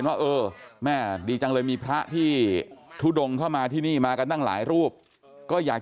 ว่าเออแม่ดีจังเลยมีพระที่ทุดงเข้ามาที่นี่มากันตั้งหลายรูปก็อยาก